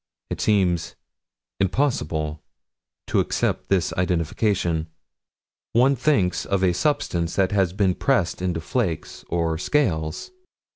It seems impossible to accept this identification: one thinks of a substance that had been pressed into flakes or scales.